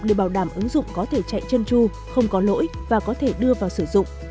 để bảo đảm ứng dụng có thể chạy chân chu không có lỗi và có thể đưa vào sử dụng